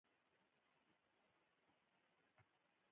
دوی د مبادلې لپاره تولید کوي نه د مصرف.